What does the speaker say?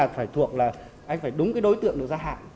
phải thuộc là anh phải đúng cái đối tượng được gia hạn